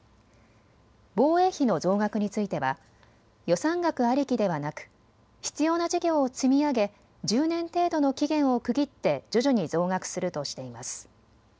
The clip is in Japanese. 防衛費の増額については予算額ありきではなく必要な事業を積み上げ１０年程度の期限を区切って徐々に増額するとしています。